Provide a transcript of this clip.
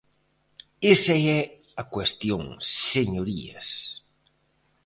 Esa é a cuestión, señorías.